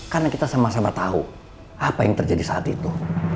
karena kita sama sama tahu apa yang terjadi saat itu